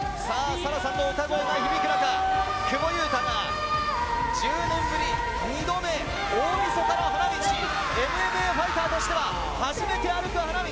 サラさんの歌声が響く中久保優太が１０年ぶり、２度目大みそかの花道ＭＭＡファイターとしては初めて歩く花道。